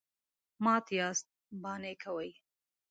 _مات ياست، بانې کوئ.